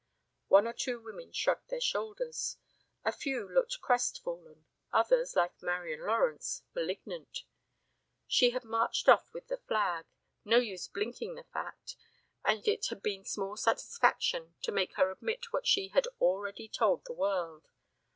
One or two women shrugged their shoulders. A few looked crestfallen, others, like Marian Lawrence, malignant. She had marched off with the flag, no use blinking the fact, and it had been small satisfaction to make her admit what she had already told the world.